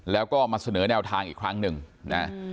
แล้วก็มาเสนอแนวทางอีกครั้งหนึ่งนะ